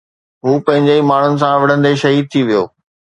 هو پنهنجي ئي ماڻهن سان وڙهندي شهيد ٿي ويو